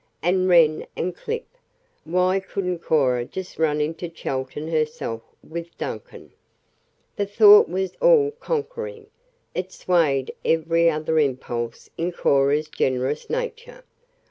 And Wren and Clip. Why couldn't Cora just run in to Chelton herself with Duncan? The thought was all conquering. It swayed every other impulse in Cora's generous nature.